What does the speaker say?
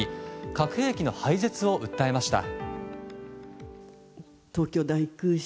核兵器の廃絶を訴えました。